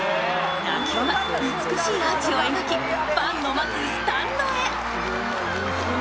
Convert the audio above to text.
打球は美しいアーチを描き、ファンの待つスタンドへ。